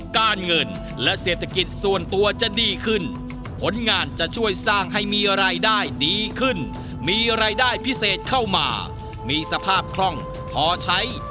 การเงินและเศรษฐกิจส่วนตัวจะดีขึ้นผลงานจะช่วยสร้างให้มีรายได้ดีขึ้นมีรายได้พิเศษเข้ามามีสภาพคล่องพอใช้